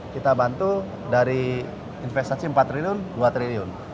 kita bantu dari investasi empat triliun dua triliun